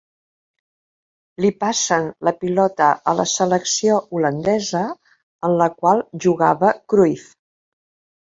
Li passen la pilota a la selecció holandesa en la qual jugava Cruyff.